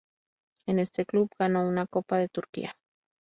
En este club ganó una Copa de Turquía.